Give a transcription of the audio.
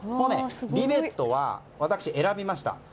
リベットは私、選びました。